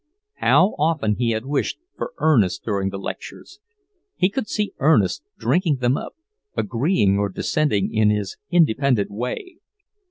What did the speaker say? How often he had wished for Ernest during the lectures! He could see Ernest drinking them up, agreeing or dissenting in his independent way.